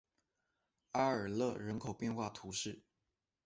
阿尔勒人口变化图示